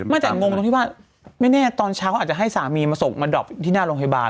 แต่งงตรงที่ว่าไม่แน่ตอนเช้าเขาอาจจะให้สามีมาส่งมาดอบที่หน้าโรงพยาบาล